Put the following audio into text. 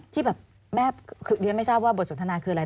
ที่แบบแม่คือเรียนไม่ทราบว่าบทสนทนาคืออะไร